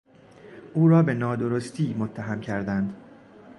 او را به نادرستی متهم کردند.